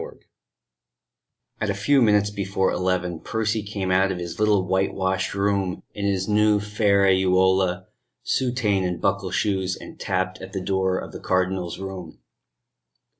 III At a few minutes before eleven Percy came out of his little white washed room in his new ferraiuola, soutane and buckle shoes, and tapped at the door of the Cardinal's room.